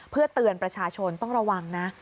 เพื่อเตือนประชาชนต้องระวังนะ